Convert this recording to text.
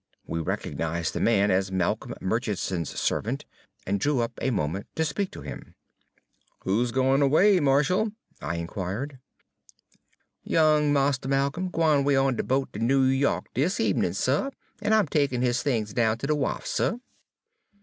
We recognized the man as Malcolm Murchison's servant, and drew up a moment to speak to him. "Who's going away, Marshall?" I inquired. "Young Mistah Ma'colm gwine 'way on de boat ter Noo Yo'k dis ebenin', suh, en I'm takin' his things down ter de wharf, suh."